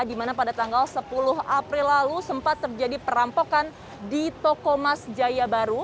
di mana pada tanggal sepuluh april lalu sempat terjadi perampokan di toko mas jaya baru